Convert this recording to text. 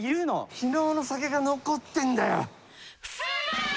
昨日の酒が残ってんだよ。